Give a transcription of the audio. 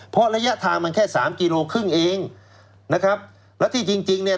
เพราะระยะทางมันแค่สามกิโลครึ่งเองนะครับแล้วที่จริงจริงเนี่ย